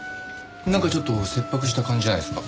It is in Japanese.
なんかちょっと切迫した感じじゃないですか？